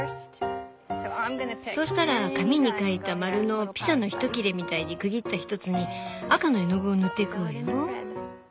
そうしたら紙に描いたマルのピザの１切れみたいに区切った１つに赤の絵の具を塗っていくわよ。